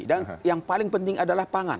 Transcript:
dan yang paling penting adalah pangan